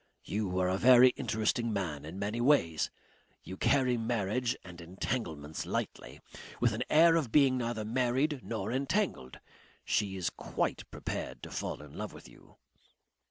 You are a very interesting man in many ways. You carry marriage and entanglements lightly. With an air of being neither married nor entangled. She is quite prepared to fall in love with you."